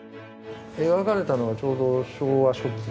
描かれたのがちょうど昭和初期。